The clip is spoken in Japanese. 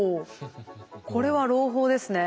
これは朗報ですね。